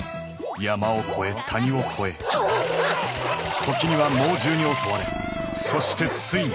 山を越え谷を越え時には猛獣に襲われそしてついに！